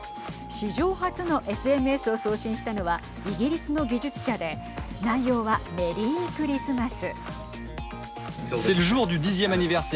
史上初のＳＭＳを送信したのはイギリスの技術者で内容はメリークリスマス。